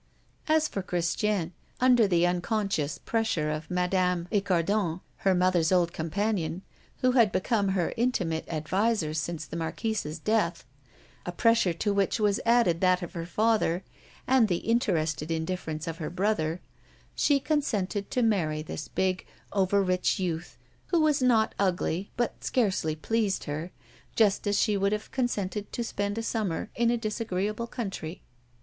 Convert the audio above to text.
As for Christiane, under the unconscious pressure of Madame Icardon, her mother's old companion, who had become her intimate adviser since the Marquise's death, a pressure to which was added that of her father and the interested indifference of her brother, she consented to marry this big, overrich youth, who was not ugly but scarcely pleased her, just as she would have consented to spend a summer in a disagreeable country.